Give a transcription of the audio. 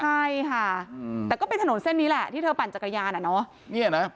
ใช่ค่ะแต่ก็เป็นถนนเส้นนี้แหละที่เธอปั่นจักรยานอ่ะเนอะ